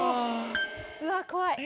うわっ怖い。